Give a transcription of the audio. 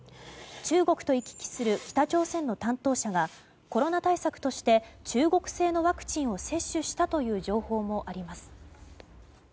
中国と行き来する北朝鮮の担当者がコロナ対策として中国製のワクチンを接種したという情報もあります。